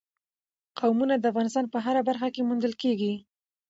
قومونه د افغانستان په هره برخه کې موندل کېږي.